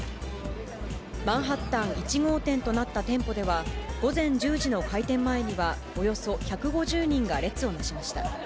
マンハッタン１号店となった店舗では、午前１０時の開店前には、およそ１５０人が列をなしました。